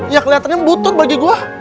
ya keliatannya butut bagi gua